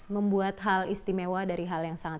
membuat hal istimewa dari hal yang sangat